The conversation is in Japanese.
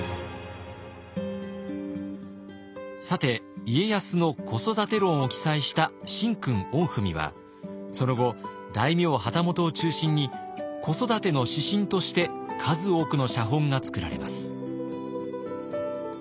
さて家康の子育て論を記載した「神君御文」はその後大名旗本を中心に子育ての指針として数多くの写本が作られます。